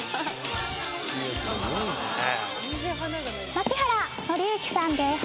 槇原敬之さんです。